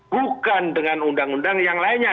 bukan dengan undang undang yang lainnya